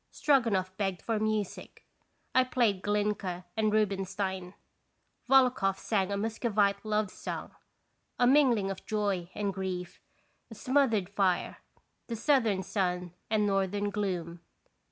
Stroganoff begged for music. I played Glinka and Rubinstein. Volokhoff sang a Muscovite love song, a mingling of joy and grief; a smothered fire, the southern sun and northern gloom.